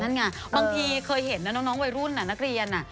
นั่นไงบางทีเคยเห็นนะน้องวัยรุ่นนักเรียน